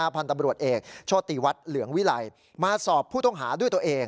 พันธุ์ตำรวจเอกโชติวัฒน์เหลืองวิลัยมาสอบผู้ต้องหาด้วยตัวเอง